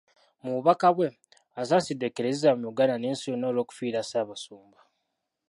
Mu bubaka bwe, asaasidde Eklezia mu Uganda n’ensi yonna olw’okufiirwa Ssaabasumba.